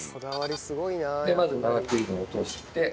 まず生クリームを落として。